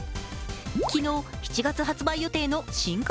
昨日７月発売予定の新刊